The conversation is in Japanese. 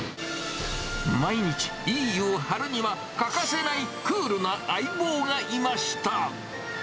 毎日、いい湯を張るには、欠かせないクールな相棒がいました。